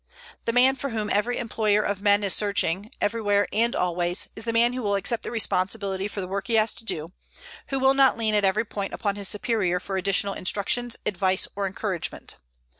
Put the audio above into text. The man for whom every employer of men is searching, everywhere and always, is the man who will accept the responsibility for the work he has to do who will not lean at every point upon his superior for additional instructions, advice, or encouragement.